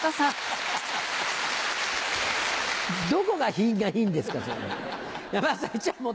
どこが品がいいんですかそれの。